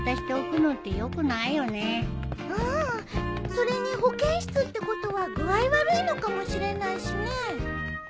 それに保健室ってことは具合悪いのかもしれないしね。